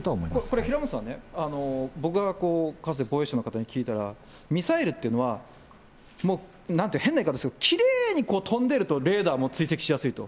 これ、平本さんね、僕がかつて防衛省の方に聞いたら、ミサイルってのは、変な言い方すると、きれいに飛んでるとレーダーも追跡しやすいと。